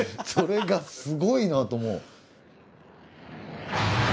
それがすごいなと思う。